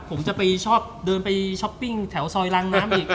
ผมจะไปชอบเดินไปช้อปปิ้งแถวซอยรางน้ำอีก